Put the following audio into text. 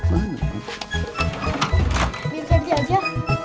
biar jadi aja